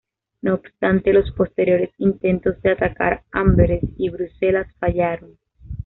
No obstante, los posteriores intentos de atacar Amberes y Bruselas fallaron.